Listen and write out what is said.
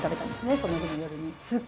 その日の夜に。